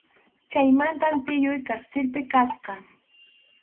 Chaymantam tiyuy karsilpi kasqa.